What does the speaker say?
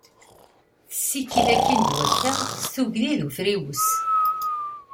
Tessikid akin d wakka s tugdi d ufriwes.